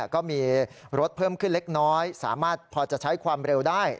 ก็มีรถเพิ่มขึ้นเล็กน้อยสามารถพอจะใช้ความเร็วได้